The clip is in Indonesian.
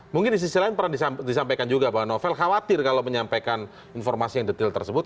mungkin di sisi lain pernah disampaikan juga bahwa novel khawatir kalau menyampaikan informasi yang detail tersebut